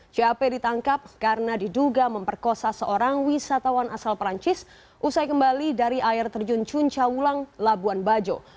cap ditangkap karena diduga memperkosa seorang wisatawan asal perancis usai kembali dari air terjun cuncaulang labuan bajo